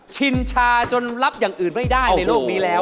ชินชาจนรับอย่างอื่นไม่ได้ในโลกนี้แล้ว